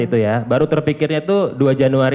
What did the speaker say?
itu ya baru terpikirnya itu dua januari